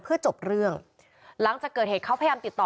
เพื่อจบเรื่องหลังจากเกิดเหตุเขาพยายามติดต่อ